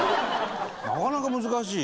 なかなか難しい。